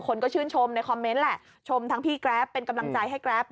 คนก็ชื่นชมในคอมเมนต์แหละชมทั้งพี่แกรฟเป็นกำลังใจให้แกรป